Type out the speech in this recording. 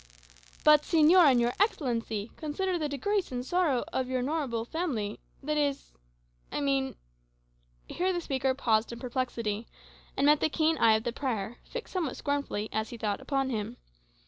"But, señor and your Excellency, consider the disgrace and sorrow of your noble family that is, I mean" here the speaker paused in perplexity, and met the keen eye of the prior, fixed somewhat scornfully, as he thought, upon him.